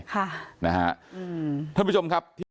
ค่ะนะฮะอืมท่านผู้ชมครับ